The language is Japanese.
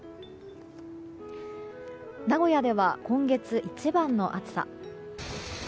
名古屋では今月一番の暑さ。